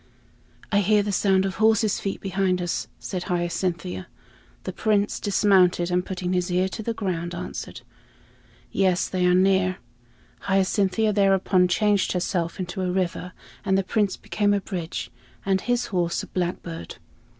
"I hear the sound of horses' feet behind us," said Hyacinthia. The Prince dismounted, and putting his ear to the ground, answered, "Yes, they are near." Hyacinthia thereupon changed herself into a river, and the Prince became a bridge, and his horse a blackbird.